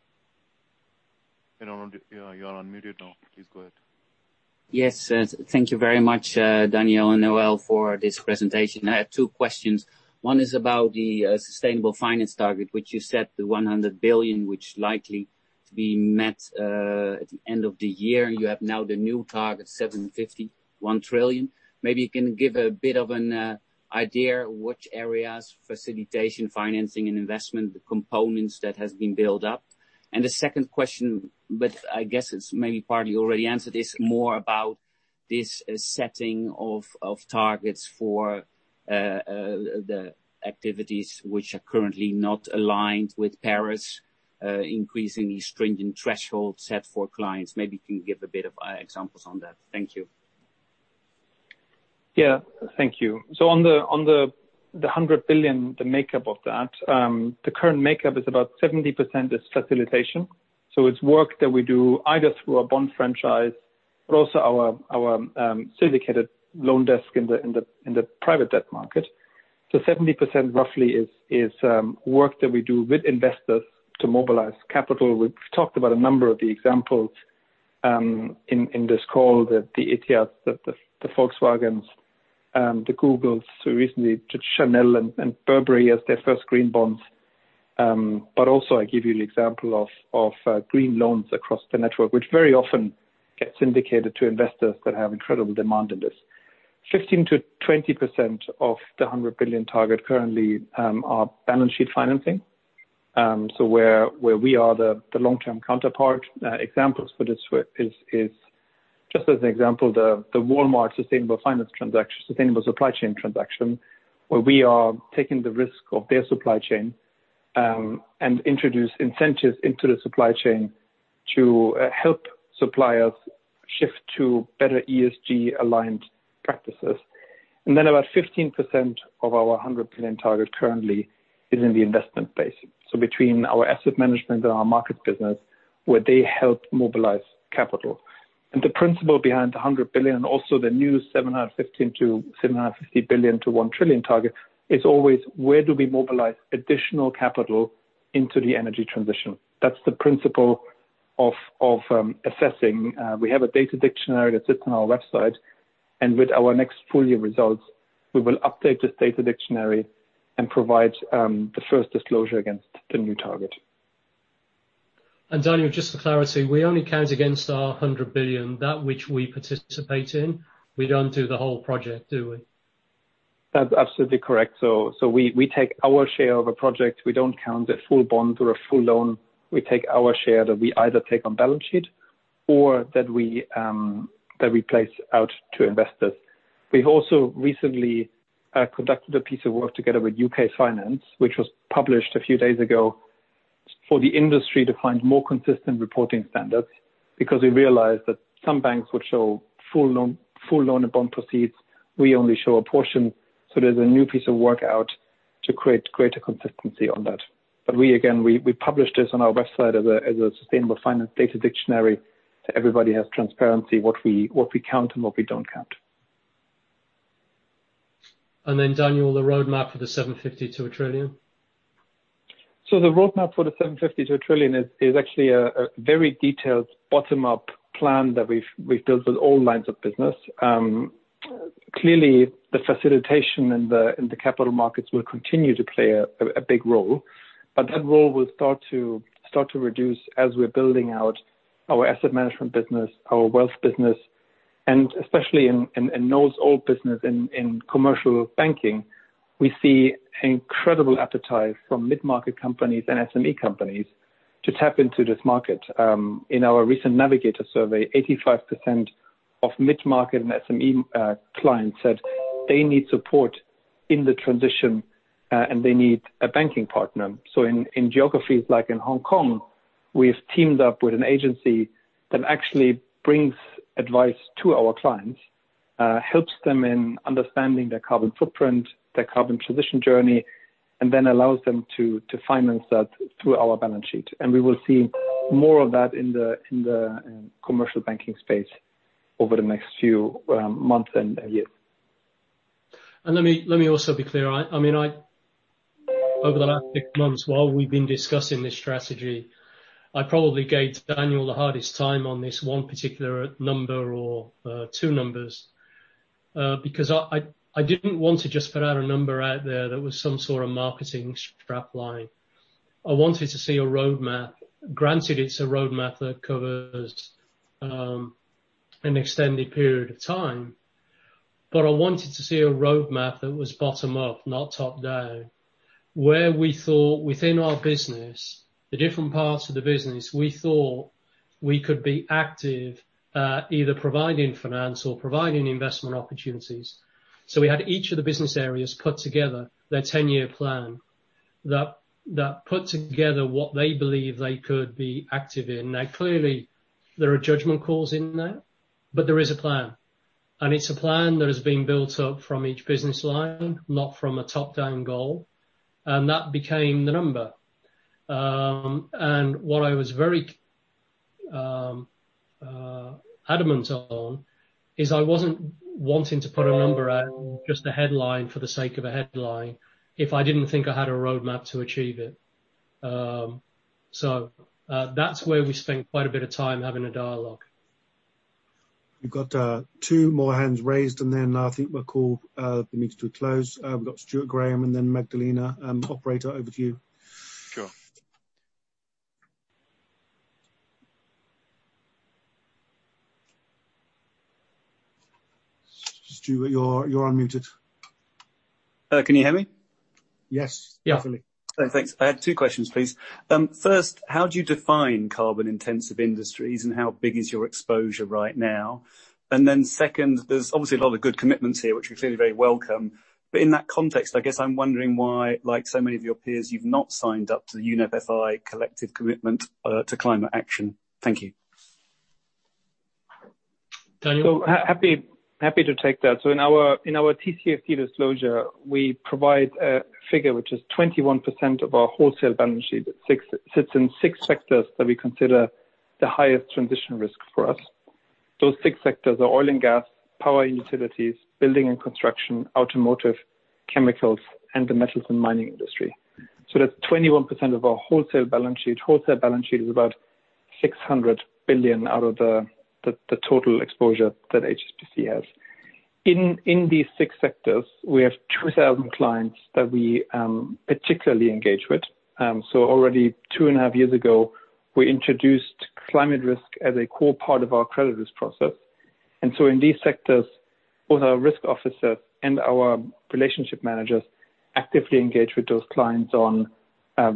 Ronald, you are unmuted now. Please go ahead. Yes. Thank you very much, Daniel and Noel, for this presentation. I have two questions. One is about the sustainable finance target, which you set to $100 billion, which likely to be met at the end of the year, and you have now the new target, $750 billion, $1 trillion. Maybe you can give a bit of an idea which areas, facilitation, financing, and investment, the components that has been built up. The second question, but I guess it's maybe partly already answered, is more about this setting of targets for the activities which are currently not aligned with Paris, increasingly stringent thresholds set for clients. Maybe you can give a bit of examples on that. Thank you. Yeah. Thank you. On the $100 billion, the makeup of that, the current makeup is about 70% is facilitation. It's work that we do either through our bond franchise, but also our syndicated loan desk in the private debt market. 70% roughly is work that we do with investors to mobilize capital. We've talked about a number of the examples in this call, the ETFs, the Volkswagens, the Googles, who recently, to Chanel and Burberry as their first green bonds. Also, I give you the example of green loans across the network, which very often gets indicated to investors that have incredible demand in this. 15%-20% of the $100 billion target currently are balance sheet financing, so where we are the long-term counterpart. Examples for this is, just as an example, the Walmart sustainable finance transaction, sustainable supply chain transaction, where we are taking the risk of their supply chain, introduce incentives into the supply chain to help suppliers shift to better ESG-aligned practices. About 15% of our $100 billion target currently is in the investment base. Between our asset management and our market business, where they help mobilize capital. The principle behind the $100 billion, also the new $750 billion-$1 trillion target, is always where do we mobilize additional capital into the energy transition? That's the principle of assessing. We have a data dictionary that sits on our website, and with our next full year results, we will update this data dictionary and provide the first disclosure against the new target. Daniel, just for clarity, we only count against our $100 billion that which we participate in. We don't do the whole project, do we? That's absolutely correct. We take our share of a project. We don't count a full bond or a full loan. We take our share that we either take on balance sheet or that we place out to investors. We've also recently conducted a piece of work together with UK Finance, which was published a few days ago, for the industry to find more consistent reporting standards. We realized that some banks would show full loan and bond proceeds. We only show a portion. There's a new piece of work out to create greater consistency on that. We again published this on our website as a sustainable finance data dictionary, so everybody has transparency, what we count and what we don't count. Daniel, the roadmap for the $750 billion-$1 trillion. The roadmap for the $750 billion-$1 trillion is actually a very detailed bottom-up plan that we've built with all lines of business. Clearly, the facilitation in the capital markets will continue to play a big role. That role will start to reduce as we're building out our asset management business, our wealth business, and especially in those other business in commercial banking. We see incredible appetite from mid-market companies and SME companies to tap into this market. In our recent Navigator survey, 85% of mid-market and SME clients said they need support in the transition, and they need a banking partner. In geographies like in Hong Kong, we've teamed up with an agency that actually brings advice to our clients, helps them in understanding their carbon footprint, their carbon transition journey, and then allows them to finance that through our balance sheet. We will see more of that in the commercial banking space over the next few months and years. Let me also be clear. Over the last six months, while we've been discussing this strategy, I probably gave Daniel the hardest time on this one particular number or two numbers, because I didn't want to just put out a number out there that was some sort of marketing strapline. I wanted to see a roadmap. Granted, it's a roadmap that covers an extended period of time. I wanted to see a roadmap that was bottom up, not top down, where we thought within our business, the different parts of the business, we thought we could be active at either providing finance or providing investment opportunities. We had each of the business areas put together their 10 year plan that put together what they believe they could be active in. Now, clearly, there are judgment calls in that, but there is a plan, and it's a plan that has been built up from each business line, not from a top-down goal, and that became the number. What I was very adamant on is I wasn't wanting to put a number out, just a headline for the sake of a headline if I didn't think I had a roadmap to achieve it. That's where we spent quite a bit of time having a dialogue. We've got two more hands raised, and then I think we'll call the meeting to a close. We've got Stuart Graham and then Magdalena. Operator, over to you. Sure. Stuart, you're unmuted. Can you hear me? Yes. Yeah. Thanks. I have two questions, please. First, how do you define carbon-intensive industries, and how big is your exposure right now? Second, there's obviously a lot of good commitments here, which are clearly very welcome. In that context, I guess I'm wondering why, like so many of your peers, you've not signed up to the UNEP FI Collective Commitment to Climate Action. Thank you. Daniel? Happy to take that. In our TCFD disclosure, we provide a figure which is 21% of our wholesale balance sheet that sits in six sectors that we consider the highest transition risk for us. Those six sectors are oil and gas, power and utilities, building and construction, automotive, chemicals, and the metals and mining industry. That's 21% of our wholesale balance sheet. Wholesale balance sheet is about $600 billion out of the total exposure that HSBC has. In these six sectors, we have 2,000 clients that we particularly engage with. Already two and a half years ago, we introduced climate risk as a core part of our credit risk process. In these sectors, both our risk officers and our relationship managers actively engage with those clients on,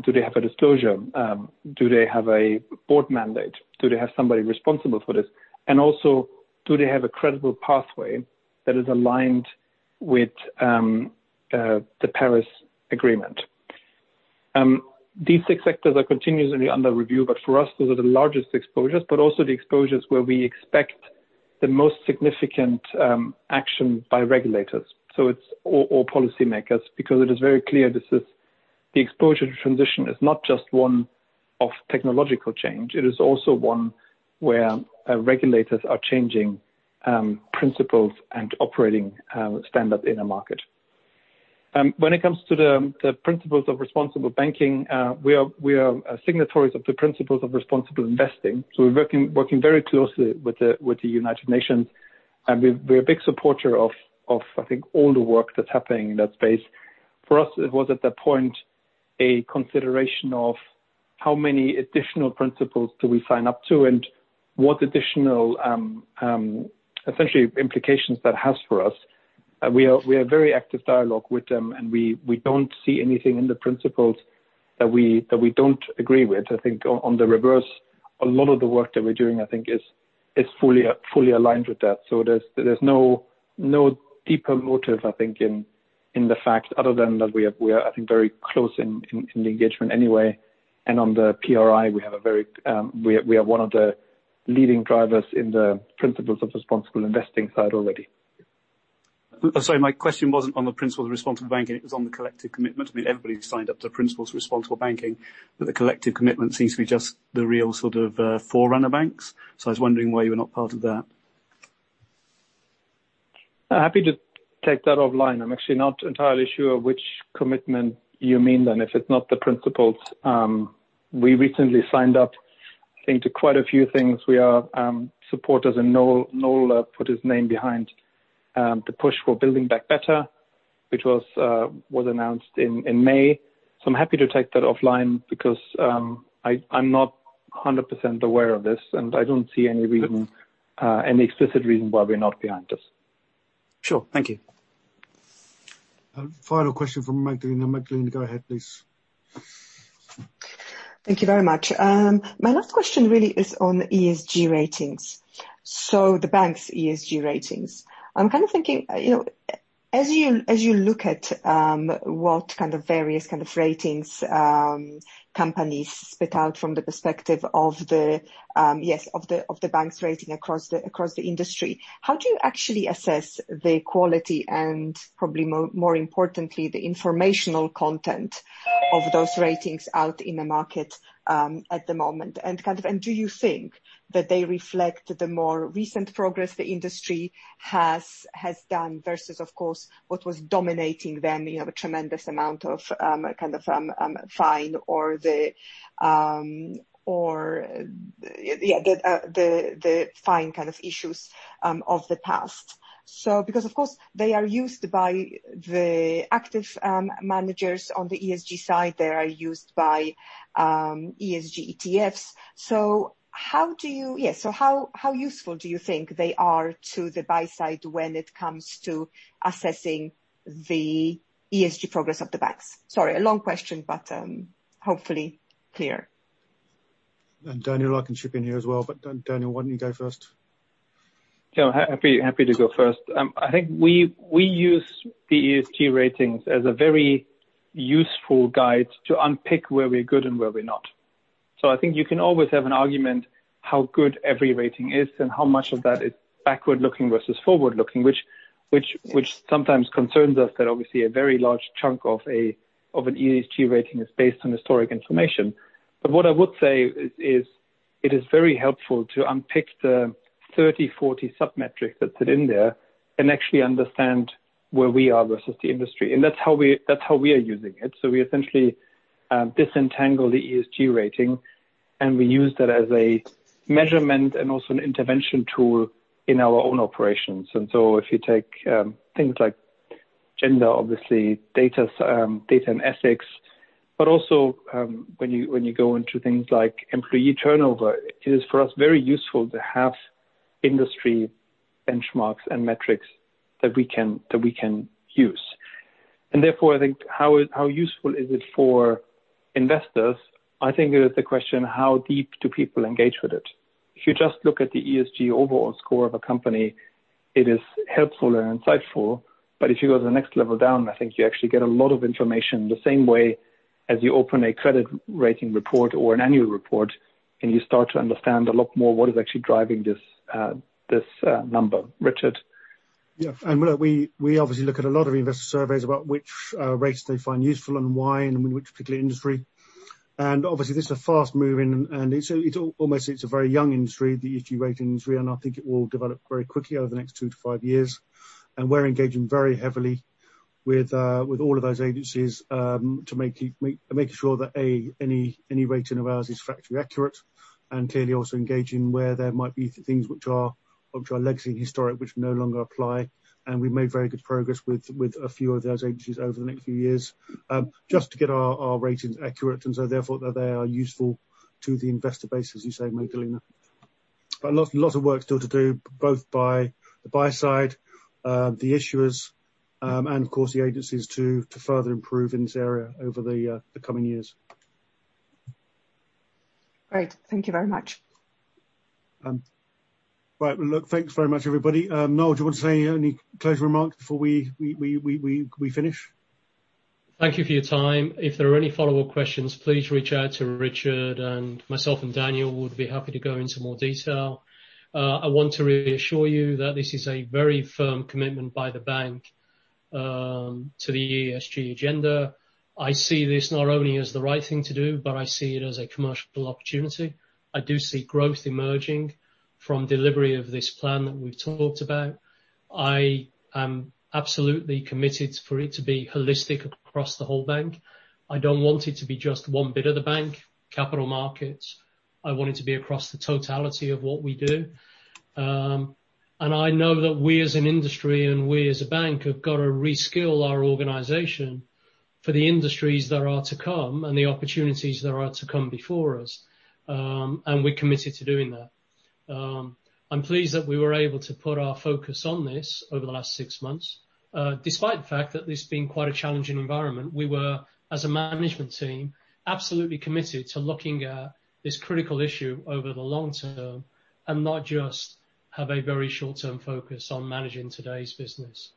do they have a disclosure? Do they have a board mandate? Do they have somebody responsible for this? Also, do they have a credible pathway that is aligned with the Paris Agreement? These six sectors are continuously under review, but for us, those are the largest exposures, but also the exposures where we expect the most significant action by regulators or policymakers, because it is very clear this is the exposure to transition is not just one of technological change, it is also one where regulators are changing principles and operating standards in a market. When it comes to the Principles of Responsible Banking, we are signatories of the principles of responsible investing. We're working very closely with the United Nations, and we're a big supporter of, I think, all the work that's happening in that space. For us, it was at that point a consideration of how many additional principles do we sign up to, and what additional, essentially implications that has for us. We are in very active dialogue with them, and we don't see anything in the principles that we don't agree with. I think on the reverse, a lot of the work that we're doing, I think, is fully aligned with that. There's no deeper motive, I think, in the fact other than that we are, I think, very close in the engagement anyway. On the PRI, we are one of the leading drivers in the principles of responsible investing side already. Sorry, my question wasn't on the Principles of Responsible Banking, it was on the Collective Commitment. I mean, everybody's signed up to Principles of Responsible Banking, but the Collective Commitment seems to be just the real sort of forerunner banks. I was wondering why you were not part of that. Happy to take that offline. I'm actually not entirely sure which commitment you mean then if it's not the principles. We recently signed up, I think to quite a few things. We are supporters and Noel put his name behind the push for Build Back Better, which was announced in May. I'm happy to take that offline because I'm not 100% aware of this. Good any explicit reason why we're not behind this? Sure. Thank you. Final question from Magdalena. Magdalena, go ahead, please. Thank you very much. My last question really is on ESG ratings. The bank's ESG ratings. I'm kind of thinking, as you look at what various kind of ratings companies spit out from the perspective of the bank's rating across the industry, how do you actually assess the quality and probably more importantly, the informational content of those ratings out in the market at the moment? Do you think that they reflect the more recent progress the industry has done versus, of course, what was dominating them, a tremendous amount of fine or the fine kind of issues of the past? Because of course they are used by the active managers on the ESG side, they are used by ESG ETFs. How useful do you think they are to the buy side when it comes to assessing the ESG progress of the banks? Sorry, a long question, but hopefully clear. Daniel, I can chip in here as well, but Daniel, why don't you go first? Sure. Happy to go first. I think we use the ESG ratings as a very useful guide to unpick where we're good and where we're not. I think you can always have an argument how good every rating is and how much of that is backward-looking versus forward-looking. Which sometimes concerns us that obviously a very large chunk of an ESG rating is based on historic information. What I would say is it is very helpful to unpick the 30, 40 submetrics that sit in there and actually understand where we are versus the industry. That's how we are using it. We essentially disentangle the ESG rating, and we use that as a measurement and also an intervention tool in our own operations. If you take things like gender, obviously data and ethics, but also when you go into things like employee turnover, it is for us very useful to have industry benchmarks and metrics that we can use. I think how useful is it for investors, I think it is the question how deep do people engage with it. If you just look at the ESG overall score of a company, it is helpful and insightful, but if you go to the next level down, I think you actually get a lot of information the same way as you open a credit rating report or an annual report, and you start to understand a lot more what is actually driving this number. Richard. Yeah. Look, we obviously look at a lot of investor surveys about which ratings they find useful and why, and which particular industry. Obviously this is a fast-moving, and almost it's a very young industry, the ESG rating industry, and I think it will develop very quickly over the next two to five years. We're engaging very heavily with all of those agencies to making sure that, any rating of ours is factually accurate, and clearly also engaging where there might be things which are legacy, historic, which no longer apply. We've made very good progress with a few of those agencies over the next few years, just to get our ratings accurate, therefore that they are useful to the investor base, as you say, Magdalena. A lot of work still to do, both by the buy side, the issuers, and of course, the agencies to further improve in this area over the coming years. Great. Thank you very much. Right. Well, look, thanks very much, everybody. Noel, do you want to say any closing remarks before we finish? Thank you for your time. If there are any follow-up questions, please reach out to Richard and myself and Daniel would be happy to go into more detail. I want to reassure you that this is a very firm commitment by the bank to the ESG agenda. I see this not only as the right thing to do, but I see it as a commercial opportunity. I do see growth emerging from delivery of this plan that we've talked about. I am absolutely committed for it to be holistic across the whole bank. I don't want it to be just one bit of the bank, capital markets. I want it to be across the totality of what we do. I know that we as an industry and we as a bank have got to reskill our organization for the industries that are to come and the opportunities that are to come before us. We're committed to doing that. I'm pleased that we were able to put our focus on this over the last six months. Despite the fact that this being quite a challenging environment, we were, as a management team, absolutely committed to looking at this critical issue over the long term and not just have a very short-term focus on managing today's business.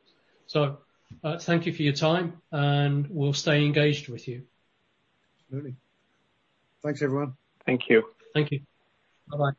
Thank you for your time, and we'll stay engaged with you. Absolutely. Thanks, everyone. Thank you. Thank you. Bye-bye.